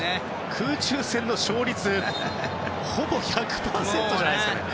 空中戦の勝率ほぼ１００％じゃないですかね。